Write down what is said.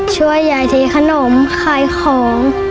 ช่วยยายเทขนมขายของ